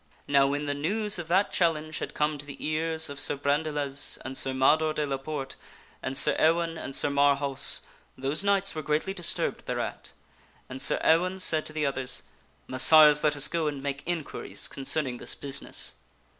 Now, when the news of that challenge had come to the ears of Sir Bran diles and Sir Mador de la Porte and Sir Ewaine and Sir Marhaus, those 268 THE STORY OF SIR PELLIAS knights were greatly disturbed thereat, and Sir Ewaine said to the others, " Messires, let us go and make inquiries concerning this business."